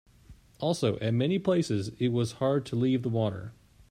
Also, at many places it was hard to leave the water.